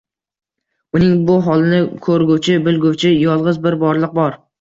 Uning bu holini ko'rguvchi, bilguvchi yolg'iz bir Borliq bor...